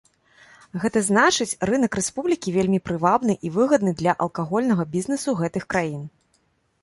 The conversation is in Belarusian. Гэта значыць рынак рэспублікі вельмі прывабны і выгадны для алкагольнага бізнесу гэтых краін.